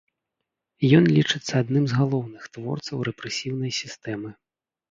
Ён лічыцца адным з галоўных творцаў рэпрэсіўнай сістэмы.